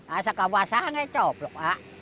asal kebasahannya coprok